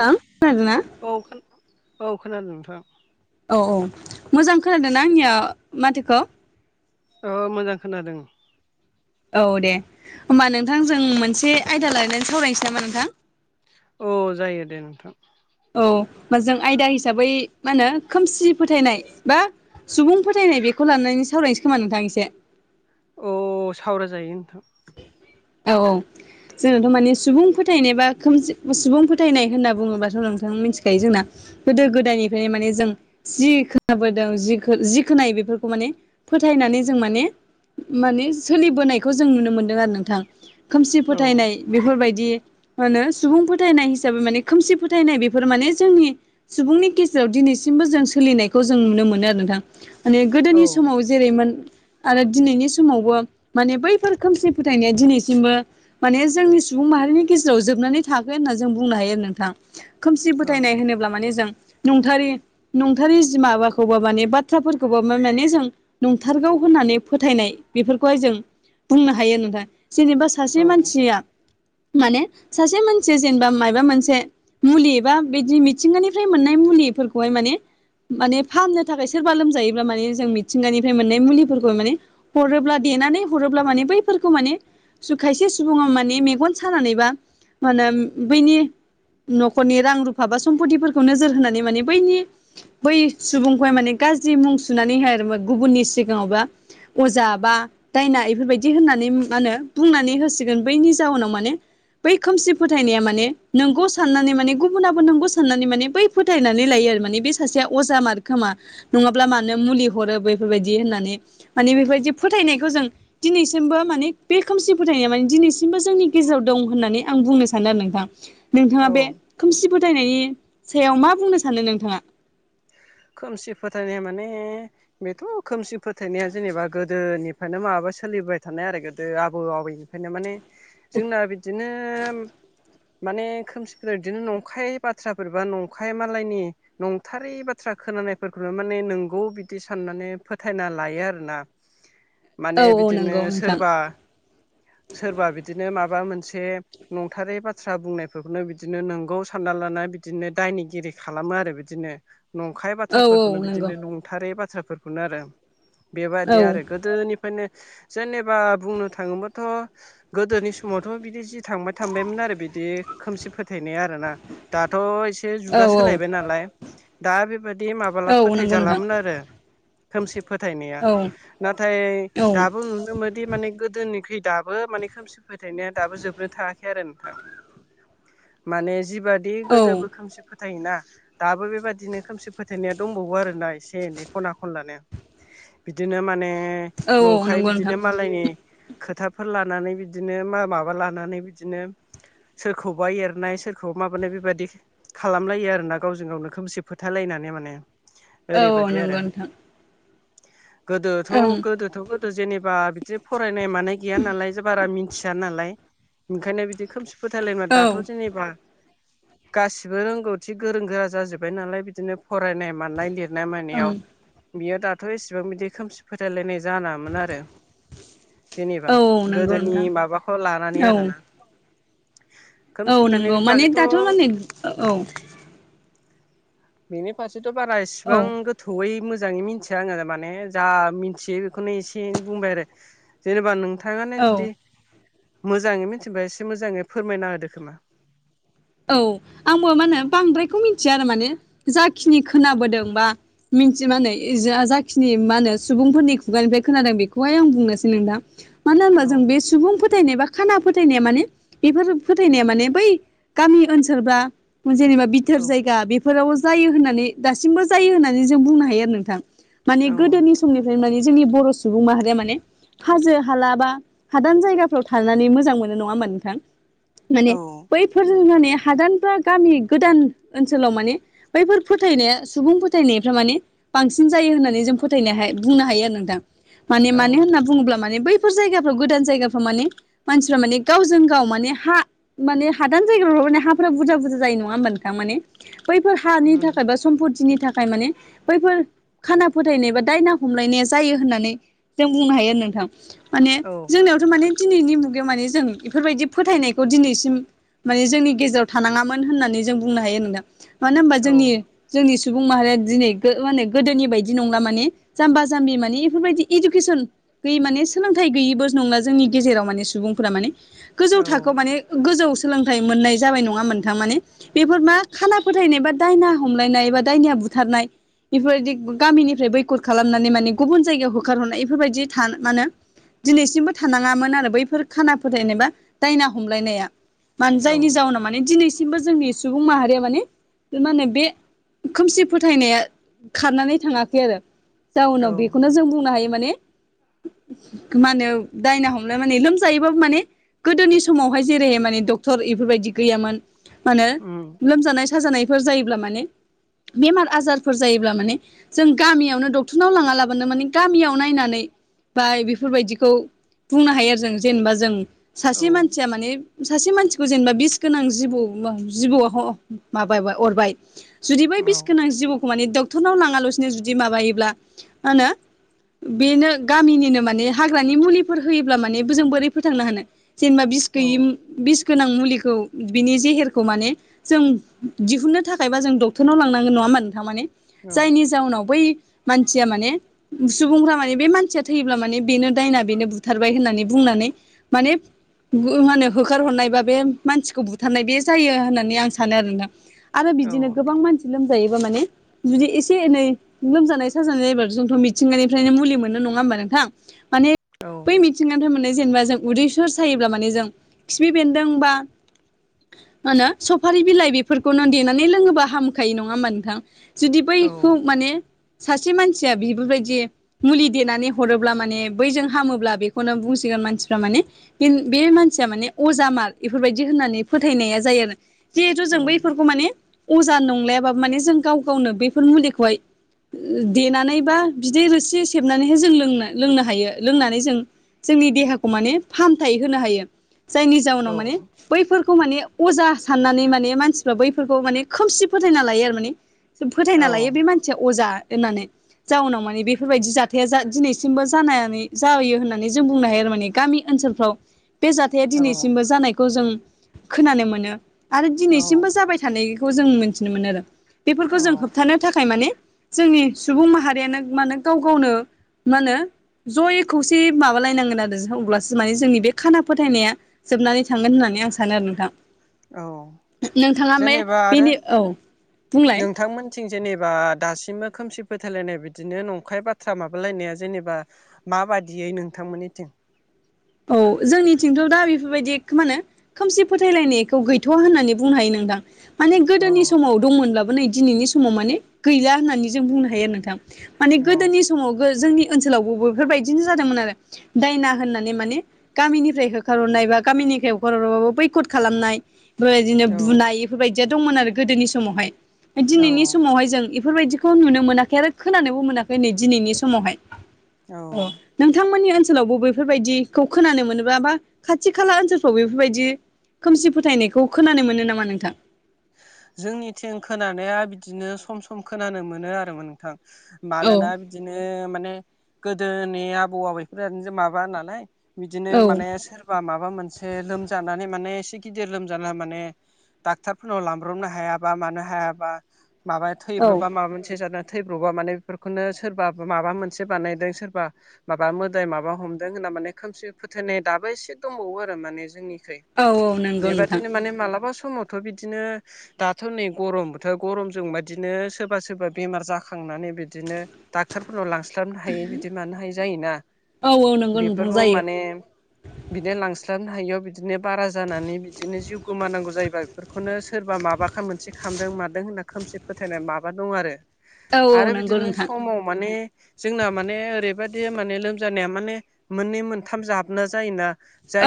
नोंथाङा खोनादों ना? औ औ खोनादों नोंथां। औ औ मोजां खोनादों ना आंनिया माथोखौ। औ मोजां खोनादों। औ दे होमबा नोंथां जों मोनसे आयदा लानानै सावरायनोसै नामा नोंथां? औ जायो दे नोंथां। औ ओमबा जों आयदा हिसाबै मा होनो खोमसि फोथायनाय, बा सुबुं फोथायनाय बेखौ लानानै सावरायनोसै खोमा नोंथां एसे। अ सावराय जायो नोंथां। औ औ। जोंनाथ' माने सुबुं फोथायनाय बा खोमसि सुबुं फोथायनाय होनना बुङोब्लाथ' नोंथां मिथिखायो जोंना गोदो गोदाइनिफ्रायनो माने जों जि खोनाबोदों जि खोनायो बेफोरखौ माने फोथायनानै जों माने माने सोलिबोनायखौ जों नुनो मोनो। आरो नोंथां खोमसि औ फोथायनाय बेफोरबायदि होनो। सुबुं फोथायनाय हिसाबै माने खोमसि फोथायनाय बेफोर माने जोंनि सुबुंनि गेजेराव दिनैसिमबो जों सोलिनायखौ जों नुनो मोनो आरो नोंथां। माने औ गोदोनि समाव जेरैमोन आरो दिनैनि समावबो माने बैफोर खोमसि फोथायनाया दिनैसिमबो माने जोंनि सुबुं माहारिनि गेजेराव जोबनानै थाङाखै होनना जों बुंनो हायो आरो नोंथां। खोमसि औ फोथायनाय होनोब्ला माने जों नंथारि नंथारै जि माबाखौ बा माने बाथ्राफोरखौबा माने जों नंथारगौ होननानै फोथायनाय बेफोरखौहाय जों बुंनो हायो। नों जेनेबा सासे औ मानसिया माने सासे मानसिया जेनेबा माबा मोनसे मुलि बा बिदि मिथिंगानिफ्राय मोननाय मुलिफोरखौहाय माने माने फाहामनो थाखाय सोरबा लोमजायोब्ला माने जों मिथिंगानिफ्राय मोननाय मुलिफोरखौ माने हरोब्ला देनानै हरोब्ला। माने बैफोरफोरखौ माने सु खायसे सुबुङा माने मेगन सानानैबा मा होनो बैनि न'खरनि रां रुफा बा सम्पतिफोरखौ नोजोर होनानै माने बैनि बै सुबुंखौहाय माने गाज्रि मुं सुनानैहाय आरो मा गुबुननि सिगाङाव बा अजा बा दायना बेफोरबायदि होननानै मा होनो बुंनानै होसिगोन। बैनि जाउनाव माने बै खोमसि फोथायनाया माने नोंगौ साननानै माने गुबुनाबो नोंगौ साननानै माने बै फोथायनानै लायो आरो। माने बे सासेया अजा मार खोमा नङाब्ला मानो मुलि हरो बेफोरबायदि होननानै। माने बेफोरबायदि फोथायनायखौ जों दिनै सिमबो माने बे खोमसि फोथायनाया माने दिनैसिमबो जोंनि गेजेराव दं होननानै आं बुंनो सानो आरो नोंथां। नोंथाङा औ बे खोमसि फोथायनायनि सायाव मा बुंनो सानो नोंथाङा? खोमसि फोथायनाया माने बेथ' खोमसि फोथायनाया जेनेबा गोदोनि फ्रायनो माबा सोलिबाय थानाय आरो गोदो आबौ आबैनिफ्रायनो। माने जोंना बिदिनो माने खोमसिफोर बिदिनो नंखाय बाथ्राफोर बा नंखाय मालायनि नंथारि बाथ्रा बाथ्रा खोनानायफोरखौनो माने नोंगौ बिदि साननानै फोथायना लायो आरो ना औ माने औ बिदिनो नंगौ नोंथां सोरबा सोरबा बिदिनो माबा मोनसे नंथारै बाथ्रा बुंनायफोरखौनो बिदिनो नंगौ सानना लाना बिदिनो दायनिगिरि खालामो आरो बिदिनो नंखाय औ औ बाथ्राफोरखौनो नंगौ बिदिनो नंथारै बाथ्राफोरखौनो आरो औ बेबायाददि आरो गो गोदोनिफ्रायनो जेनेबा बुंनो थांङोबाथ गोदोनि समावथ' बिदि जि थांबाय थांबायमोन आरो बिदि खोमसि फोथायनाया आरो ना दाथ' एसे औ जुगा सोलायबाय नालाय दा बेबायदि औ माबाला नंगौ नोंथां फोथायजालामोन आरो खोमसि फोथायनाया औ नाथाय औ दाबो नुनो मोनोदि माने गोदोनि ओमखै दाबो माने खोमसि फोथायनाया दाबो जोबनो थांङाखै आरो नोंथां माने जिबादि औ गोदोबो खोमसि फोथायोना दाबो बेबादि बिदिनो खोमसि फोथायनाया दंबावो आरोना एसे एनै खना खनलानो बिदिनो माने औ उम औ नंखाय नंगौ नोंथां बिदिनो मालायनि खोथाफोर लानानै बिदिनो माबा लानानै बिदिनो सोरखौबा एरनाय सोरखौबा माबानाय बेबायदि खालामलायो आरो ना गावजों गावनो खोमसि फोथालायनानै माने। औ औ ओरैबायदि आरो नंगौ नोंथां। गोदोथ' ओं गोदोथ' गोदो जेनेबा बिदि फरायनाय मानाय गैया नालाय बारा मिथिया नालाय ओंखायनो बिदि खोमसि फोथायलायबा औ दाथ' ओं जेनेबा गासिबो रोंगौथि गोरों गोरा जाजोब्बाय नालाय बिदिनो फरायनाय माननाय लिरनाय मानायाव बियो दाथ' एसेबां बिदि खोमसि फोथायलायनाय जालामोन आरो। जेनेबा औ औ नंगौ गोदोनि नोंथां माबाखौ लानानै औ आरोना। औ खोमसि नंगौ फोथायनायनि माने बागैथ' दाथ' माने औ बेनि फारसेथ' बारा औ इसिबां गो गोथौयै मोजांङै मिथिया आंङो माने जा मिथियो बेखौनो एसे एनै बुंबाय आरो जेनेबा नोंथांङानो औ जुदि मोजांङै मिथिबा एसे मोजांङै फोरमायना होदो खोमा। औ आंबो मा होनो बांद्रायखौ मिथिया आरो माने जाखिनि खोनाबोदों बा मिन्थि मानो जाखिनि मा होनो सुबुंफोरनि खुगानिफ्राय खोनादों बेखौहाय आं बुंनोसै नोंथां। मानो होनोबा औ जों बे सुबुं फोथायनाय बा खाना फोथायनाया माने बेफोर फोथायनाया माने बै गामि ओनसोल बा जेनेबा बिथोर औ जायगा बे फोराव जायो होननानै दासिमबो जायो होननानै जों बुंनो हायो आरो नोंथां माने औ गोदोनि समनिफ्रायनो माने जोंनि बर' सुबुं माहारिया माने हाजो हाला बा हादान जायगाफ्राव थानानै मोजां मोनो नंङा होमबा नोंथां माने औ फोरजोंनि माने हादान बा गामि गोदान ओनसोलाव माने बैफोर फोथायनाया सुबुं फोथायनायफ्रा माने बांसिन जायो होननानै जों फोथायनाय बुंनो हायो आरो नोंथां माने औ मानो होनना बुङोब्ला माने बै फोर जायगाफ्राव गोदान जायगाफ्राव माने मानसिफ्रा माने गावजों गाव माने हा माने हादान जायगफ्राव माने हाफोरा बुरजा बुरजा जायो नंङा होनबा नोंथां माने बैफोर हानि उम थाखाय बा सम्पतिनि थाखाय माने बैफोर खाना फोथायनाय बा दायना हमलायनाया जायो होननानै जों बुंनो हायो नोंथां। माने औ जोंनियावथ' माने दिनैनि मुगायाव माने जों इफोरबायदि फोथायनायखौ दिनैसिम माने जोंनि गेजेराव थानाङामोन होननानै जों बुंनो हायो नोंथां मानो होनोबा औ जोंनि जोंनि सुबुं माहारिया दिनै माने गोदोनि बायदि नंला माने जाम्बा जाम्बि मानि इफोरबायदि इडुकेसन गै माने सोलोंथाइ गैयिबो नंला जोंनि गेजेराव माने सुबुंफोरा माने गोजौ औ थाखोआव माने गोजौ सोलोंथाइ मोननाय जाबाय नंङा होमब्ला नोंथां माने बेफोर मा खाना फोथायनाय बा दायना हमलायनाय बा दायनिया बुथारनाय बेफोरबायदि गामिनिफ्राय बैकत खालामनानै माने गुबुन जायगायाव होखारहरनाय बेफोरबायदि थानो माने दिनैसिमबो थानाङामोन आरो बैफोर खाना फोथायनाय बा दायना हमलायनाया मानो औ जायनि जाउनाव माने दिनैसिमबो जोंनि सुबुं माहारिया माने मा होनो बे खोमसि फोथायनाया खारनानै थाङाखै आरो औ जाउनाव बेखौनो जों बुंनो हायो माने। [inaudible] मा होनो दायना हमनाय माने लोमजायोबाबो माने गोदोनि समावहाय जेरैहाय माने क्टर इफोरबायदि गैयामोन मानो उम लोमजानाय साजानायफोर जायोब्ला माने बेमार आजारफोर जायोब्ला माने जों गामियावनो डक्टरनाव लाङा लाबानो माने गामियाव नायनानै बा बेफोरबायदिखौ बुंनो हायो आरो जों जेनेबा जों औ सासे मानसिया माने सासे मानसि खौ जेनेबा बिस गोनां जिबौ जिबौआव ह माबा अरबाय जुदि बै बिस औ गोनां जिबौखौ माने डक्टरनाव लाङालासिनो जुदि माबायोब्ला मा होनो बेनो गामिनिनो माने हाग्रानि मुलिफोर होयोब्ला माने जों बोरै फोथांनो हानो जेनेबा बिस गैयि औ बिस गोनां मुलिखौ बिनि जेहेरखौ माने जों दिहुननो थाखायबा जों डक्टरनाव लांनांगोन नङा होमबा नोंथां ने औ जायनि जाउनाव बै मानसिया माने सुबुंफ्रा माने बे मानसिया थैयोब्ला माने बेनो दायना बेनो बुथारबाय होननानै बुंनानै माने मा होनो होखारहरनायबा बे मानसिखौ बुथारनाय बे जायो होननानै आं सानो आरो नोंथां आरो बिदिनो औ औ गोबां मानसि लोमजायोबा माने जुदि एसे एनै लोमजानाय साजानाय एबार जोंथ' मिथिंगानि फ्रायनो मुलि मोननो नङा होमबा नोंथां माने बै मिथिंगानिफ्राय मोनो जेनेबा जों उदैफोर सायोब्ला माने जों खिफि बेन्दों बा मा होनो सफारि बिलाइ बेफोरखौनो देनानै लोङोबा हामखायो नङा होमबा नोंथां जुदि बैखौ माने सासे मानसिया बेफोरबायदि मुलि देनानै हरोब्ला माने बैजों हामोब्ला बेखौनो बुंसिगोन मानसिफ्रा माने बे मानसिया माने अजा मार‌ इफोरबायदि होननानै फोथायनाया जायो आरो जिहेथु औ जों बैफोरखौ माने अजा नंलायाबाबो माने जों गाव गावनो बेफोर मुलिखौहाय देनानै बा बिदै रोसि सेबनानैहाय जों लों लोंनो हायो लोंनानै जों जोंनि देहाखौ माने फाहामथाय होनो हायो जायनि जाउनाव माने बैफोरखौ माने अजा साननानै माने मानसिफ्रा बैफोरखौ माने खोमसि फोथायना लायो आरो माने फोथायना लायो औ बे मान सेया अजा होननानै जाउनाव माने बेफोरबायदि जाथाया जा दिनैसिमबो जानानै जाहोयो होननानै जों बुंनो हायो आरो माने गामि ओनसोलफ्राव बे जाथाया दिनैसिमबो जानाय खौ जों खोनानो मोनो आरो औ दिनैसिमबो जाबाय थानायखौ जों मोनथिनो मोनो आरो बेफोरखौ जों होबथानो थाखाय माने जोंनि सुबुं माहारियानो माने गाव गावनो मा होनो जयै खौसे माबालायनांगोन आरो अब्लासो माने जोंनि बे खाना फोथायनाया जोबनानै थांगोन होननानै आं सानो आरो नोंथां औ नोंथाङा माइ जेनेबा बेनि औ बुंलाय थिं जेनेबा दासिमबो खोमसि फोथायलायनाय बिदिनो नंखाय बाथ्रा माबालायनाया जेनेबा माबादियै नोंथांमोननिथिं औ जोंनिथिंथ' दा बेफोरबायदि इखो मानो खोमसि फोथायलायनायखौ गैथ'वा होननानै बुंनो हायो नोंथां माने औ गोदोनि समाव दंमोनब्लाबो नै दिनैनि समाव माने गैला होननानै जों बुंनो हायो आरो नोंथां माने औ गोदोनि समावबो जोंनि ओनसोलावबो बेफोरबायदिनो जादोंमोन आरो दायना होननानै माने गामिनिफ्राय होखार हरनाय बा गामिनिफ्राय होखार हराबाबो बैखद खालामनाय बेदिनो औ बुनाय बेफोरबायदिया दंमोन आरो गोदोनि समावहाय दिनैनि औ समावहाय जों बेफोरबायदिखौ नुनो मोनाखै आरो खोनानोबो मोनाखै नै दिनैनि समावहाय औ नोंथांमोननि ओनसोलावबो बैफोरबायदिखौ खोनानो मोनोबा बा खाथि खाला ओनसोलफ्राव बेफोरबायदि खोमसि फोथायनायखौ खोनानो मोनो नामा नोंथां? जोंनिथिं खोनानाया बिदिनो सम सम खोनानो मोनो आरो नोंथां। मानोना औ बिदिनो माने गोदोनि आबौ आबैफोर माबा नालाय बिदिनो औ माने सोर बा माबा मोनसे लोमजानानै माने एसे गिदिर लोमजाना माने डक्टार फोरनाव लांब्रबनो हायाबा मानो हायाबा माबाया औ थैब्रबा माबा मोनसे जादों थैब्रबा माने बेफोरखौनो सोरबा माबा मोनसे बानायदों सोरबा माबा मोदाय माबा हमदों होनना माने खोमसि फोथायनाय दाबो एसे दंबावो आरो माने जोंनिखै औ औ नंगौ नोंथां बेबादिनो माने मालाबा समावथ' बिदिनो दाथ' नै गरम बोथोर गरमजों बादिनो सोरबा सोरबा बेमार जाखांनानै बिदिनो डाक्टारफोरनाव लांस्लाबनो हायि बिदि मानो हायि जायोना औ औ नंगौ नोंथां बेफोरफोरबो जायो माने बिदिनो लांस्लाबनो हायियाव बिदिनो बारा जानानै बिदिनो जिउ गोमानांगौ जायोबा बेफोरखौनो सोरबा माबा मोनसे खामदों मादों होनना खोमसि फोथायनाय माबा दं आरो। औ आरो नंगौ बिदिनो नोंथां समाव माने जोंना माने ओरैबायदि माने लोमजानाया माने मोननै मोनथाम जाबना जायोना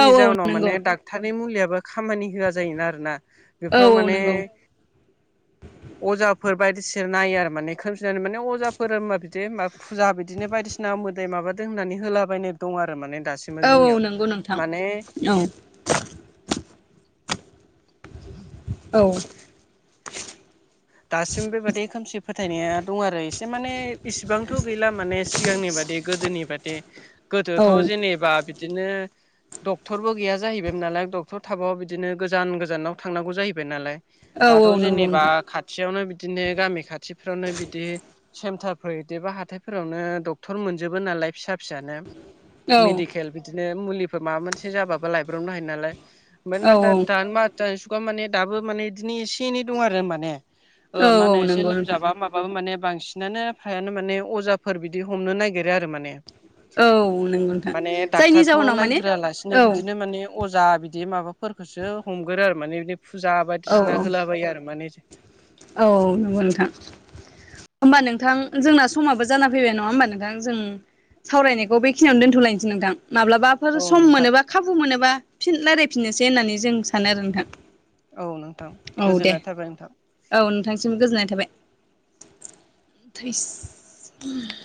औ औ जाहोनाव नंगौ माने डाक्टरनि मुलियाबो खामानि होआ जायोना आरोना। औ बेफोराव औ माने नंगौ अजाफोर बायदिसिना नायो आरो माने खोमसिना माने अजाफोर होनबा बिदि मा फुजा बिदिनो बायदिसि ना मोदै माबादों होननानै होलाबायनाय दं आरो माने दासिमबो औ औ जोंनियाव नंगौ नोंथां माने औ [inaudible] औ दासिम बेबादि खोमसि फोथायनाया दं आरो एसे माने इसिबांथ' गैला माने सिगांनि बादि गोदोनि बादि गोदोथ' औ जेनेबा बिदिनो डक्टरबो गैया जाहैबायमोन नालाय डक्टर थाबो बिदिनो गोजान गोजानाव थांनांगौ जाहैबाय नालाय औ दाथ' नंगौ जेनेबा नोंथां खाथियावनो बिदिनो गामि खाथिफ्रावनो बिदि सेन्टारफोर इदिबा हाथायफोरावनो डक्टर मोनजोबो नालाय फिसा फिसानो। औ औ मेडिकेल बिदिनो मुलिफोर माबा मोनसे जाबाबो लायब्रडनो हायो नालाय। ओमफ्राय औ नाता तान [unintelligible] दाबो माने इदिनो एसे एनै दं आरो माने। ओ औ माने औ एसे नंगौ नोंथां लोमजाबा मा माबा माने बांसिनानो फायानो माने अजाफोर बिदि हमनो नागिरो आरो माने औ नंगौ नोंथां माने जायनि डाक्टारखौ जाउनाव माने नायग्रोआ लेसेनो औ बिदिनो माने अजा बिदि माबाफोरफोरखोसो हमगोरो आरो माने बिदिनो फुजा औ बायदिसिना होलाबायो आरो माने औ नंगौ नोंथां ओमबा नोंथां जोंना समाबो जाना फैबाय नङा ओमबा नोंथां जों सावरायनायखौ बेखिनियावनो दोन्थ'लायनोसै नोंथां माब्लाबा फोर औ सम नोंथां मोनोबा खाबु मोनोबा फिन रायलायफिननोसै होननानै जों सानो आरो नोंथां औ नोंथां औ दे गोजोननाय थाबाय नोंथां। औ नोंथांसिम गोजोननाय थाबाय। [inaudible]